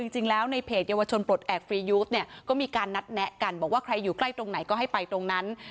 จริงแล้วในเพจเยาวชนปลดแอบฟรียูฟเนี่ยก็มีการนัดแนะกันบอกว่าใครอยู่ใกล้ตรงไหนก็ให้ไปตรงนั้น